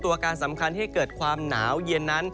อาการสำคัญที่เกิดความหนาวเย็นนั้น